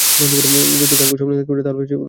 যদি গাঙু স্বপ্ন দেখতে পারে তাহলে রশনি কেনো নয়?